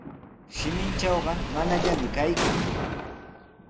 "Shimintrawqa ""manallami"" kaykan."